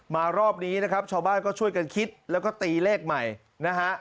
รอบนี้นะครับชาวบ้านก็ช่วยกันคิดแล้วก็ตีเลขใหม่นะฮะ